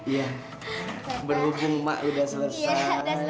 iya berhubung mak sudah selesai